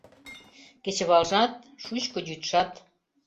Кечывалжат, шучко йӱдшат —